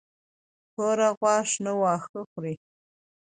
توره غوا شنه واښه خوري.